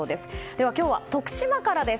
では、今日は徳島からです。